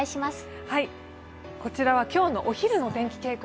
こちらは今日のお昼のお天気傾向。